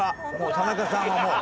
田中さんはもう。